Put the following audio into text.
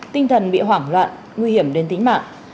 tinh thần bị hoảng loạn nguy hiểm đến tính mạng